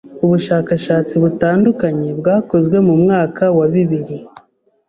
Ubushakashatsi butandukanye bwakozwe mu mwaka wa bibiri